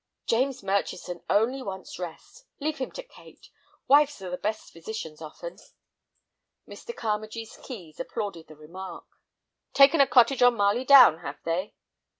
"James Murchison only wants rest. Leave him to Kate; wives are the best physicians often." Mr. Carmagee's keys applauded the remark. "Taken a cottage on Marley Down, have they?"